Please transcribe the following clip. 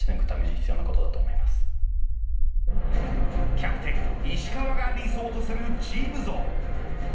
キャプテン石川が理想とするチーム像。